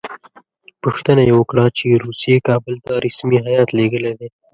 پوښتنه یې وکړه چې روسیې کابل ته رسمي هیات لېږلی دی.